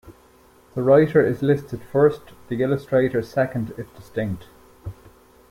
The writer is listed first, the illustrator second if distinct.